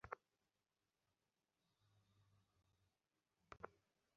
অডিটরিয়ামের প্রবেশপথে ছিল নেপালে ক্ষতিগ্রস্তদের সাহায্যার্থে ত্রাণ তহবিল সংগ্রহের জন্য অনুদান বাক্স।